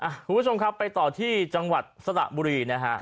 คุณผู้ชมครับไปต่อที่จังหวัดสระบุรีนะฮะ